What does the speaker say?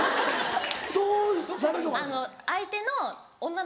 どうされるのが。